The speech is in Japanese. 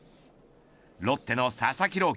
ロッテの佐々木朗希